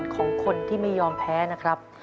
ของคนที่ไม่ยอมแพ้นะครับ